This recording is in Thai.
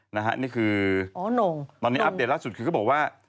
นี่คือตอนนี้อัปเดตล่าสุดคือเขาบอกว่า